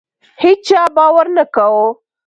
هیچا باور نه کاوه.